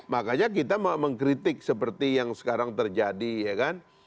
makanya kita mengkritik seperti yang sekarang terjadi ya kan